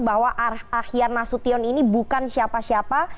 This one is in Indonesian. bahwa ahyar nasution ini bukan siapa siapa